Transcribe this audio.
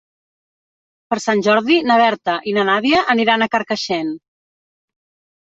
Per Sant Jordi na Berta i na Nàdia aniran a Carcaixent.